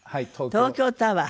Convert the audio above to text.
東京タワー？